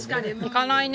行かないね。